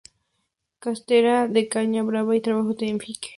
Cestería en caña brava y trabajos en fique.